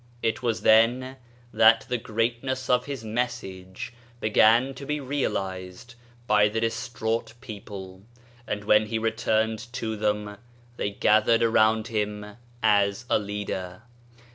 It was then that the greatness of his message began to be realized by the distraught people, and when he returned to them, they gathered around him as a leader.